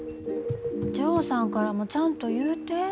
ジョーさんからもちゃんと言うて。